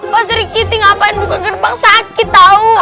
pak sri kiti ngapain buka gerbang sakit tau